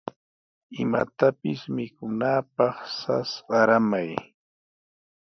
Imatapis mikunaapaq sas qaramay.